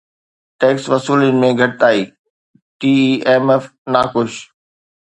tax وصولين ۾ گهٽتائي تي اي ايم ايف ناخوش